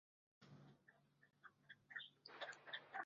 泸定大油芒为禾本科大油芒属下的一个种。